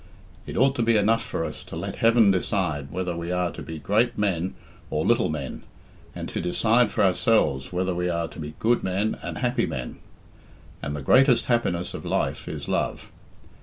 It ought to be enough for us to let heaven decide whether we are to be great men or little men, and to decide for ourselves whether we are to be good men and happy men. And the greatest happiness of life is love.